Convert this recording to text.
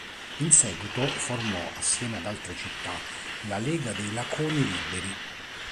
In seguito formò assieme ad altre città la Lega dei Laconi liberi.